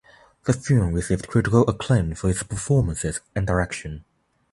The film received critical acclaim for its performances and direction.